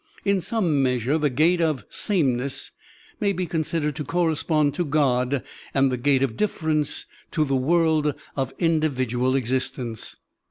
In some measure the "gate of sameness'* may be considered to correspond to "God" and the "gate of difference" to the world of individual existence.